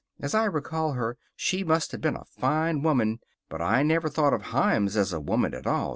As I recall her, she must have been a fine woman. But I never thought of Himes as a woman at all.